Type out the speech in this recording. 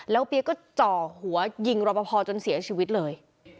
แล้วเปี๊ยกก็จ่อหัวยิงรอปภจนเสียชีวิตเลย